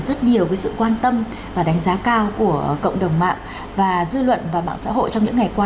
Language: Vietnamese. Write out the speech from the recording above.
rất nhiều sự quan tâm và đánh giá cao của cộng đồng mạng và dư luận và mạng xã hội trong những ngày qua